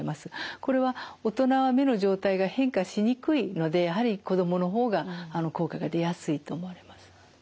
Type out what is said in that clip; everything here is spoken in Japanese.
これは大人は目の状態が変化しにくいのでやはり子どもの方が効果が出やすいと思われます。